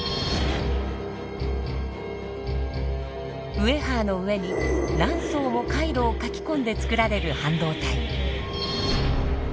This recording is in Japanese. ウエハーの上に何層も回路を書き込んでつくられる半導体。